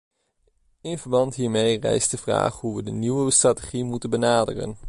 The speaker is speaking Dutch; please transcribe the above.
In verband hiermee rijst de vraag hoe we de nieuwe strategie moeten benaderen.